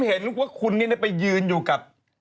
เห็นว่าคุณนี่ไปยืนอยู่กับ